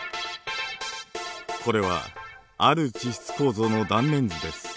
これはある地質構造の断面図です。